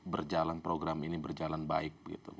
berjalan program ini berjalan baik